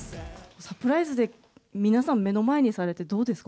サプライズで皆さん、目の前にされて、どうですか？